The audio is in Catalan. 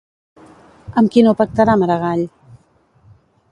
Amb qui no pactarà Maragall?